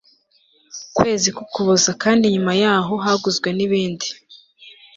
kwezi k Ukuboza kandi nyuma yaho haguzwe ibindi